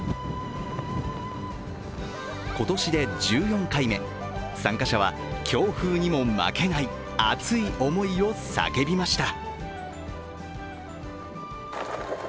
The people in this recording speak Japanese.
今年で１４回目、参加者は強風にも負けない熱い思いを叫びました。